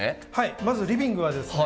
まずリビングはですね